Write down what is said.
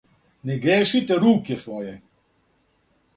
Не грешите руке своје!